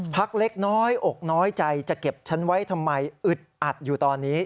เล็กน้อยอกน้อยใจจะเก็บฉันไว้ทำไมอึดอัดอยู่ตอนนี้